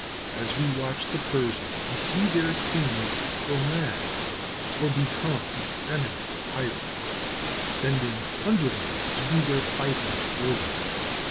As we watch the Persians, we see their kings go mad, or become effeminate tyrants sending underlings to do their fighting for them.